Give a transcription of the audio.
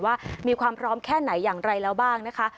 ว่ามีความพร้อมแค่ไหนอย่างไรแล้วบ้างนะคะ